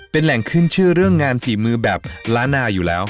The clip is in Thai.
เป็นแหล่งขึ้นชื่อเรื่องงานฝีมือแบบล้านนาอยู่แล้ว